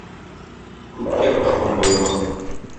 Күккә ашкан байрагын.